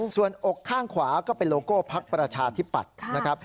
ส่วนอกข้างขวาก็เป็นโลโก้พักประชาธิปัตย์นะครับ